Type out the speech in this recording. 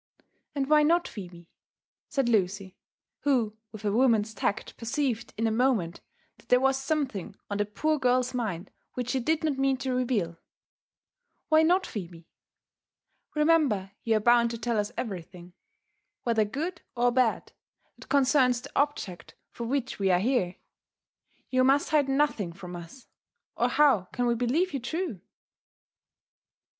" And why not, Phebe?" said Lucy, who with a woman's tact per ceived in a moment that there was something on the poor girl's mind which she did not mean to reveal —" Why not, Phebe? — ^Remember you are bound to tell us everything, whether good or bad, that con cerns the object for which we are here : you must hide nothing from us, or how can we believe you true?"